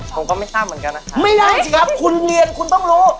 ผมก็ไม่ทราบเหมือนกันนะครับไม่ได้สิครับคุณเรียนคุณต้องรู้